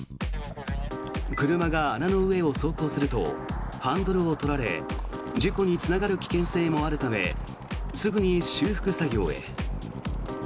車が穴の上を走行するとハンドルを取られ事故につながる危険性もあるためすぐに修復作業へ。